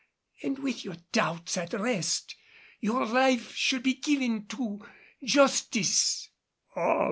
And with your doubts at rest, your life should be given to Justice."